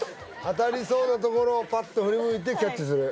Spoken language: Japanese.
当たりそうなところをぱっと振り向いてキャッチする